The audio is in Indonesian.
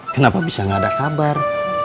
kenapa bisa nggak ada kabar